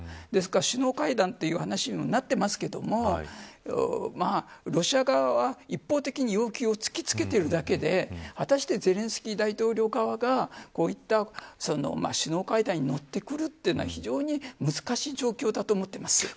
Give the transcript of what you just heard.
ですから首脳会談という話にもなってますけれどもロシア側は一方的に要求を突きつけているだけで果たしてゼレンスキー大統領側がこういった首脳会談にのってくるというのは非常に難しい状況だと思ってます。